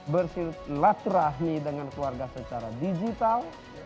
bersilaturahmi dengan keluarga secara digital